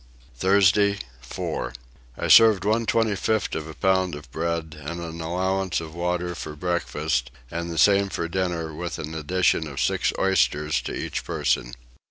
Thursday 4. I served one 25th of a pound of bread and an allowance of water for breakfast and the same for dinner with an addition of six oysters to each person.